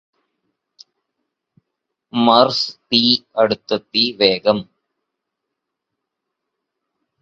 മര്ഫ് തീ അടുത്തെത്തി വേഗം